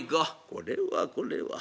「これはこれは。